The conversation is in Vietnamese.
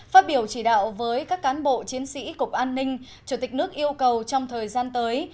phát biểu chỉ đạo với các cán bộ chiến sĩ cục an ninh chủ tịch nước yêu cầu trong thời gian tới